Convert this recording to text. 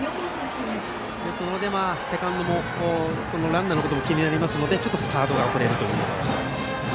それで、セカンドもランナーのことも気になりますのでちょっとスタートが遅れましたね。